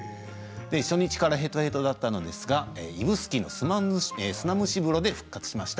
初日からヘトヘトだったのですが指宿の砂蒸し風呂で復活しました。